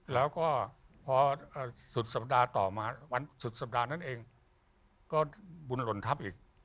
แล้วก็พอสุดสัปดาห์ต่อมาวันสุดสัปดาห์นั้นเองก็บุญหล่นทัพอีก